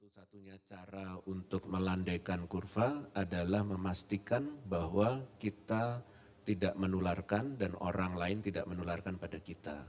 satu satunya cara untuk melandaikan kurva adalah memastikan bahwa kita tidak menularkan dan orang lain tidak menularkan pada kita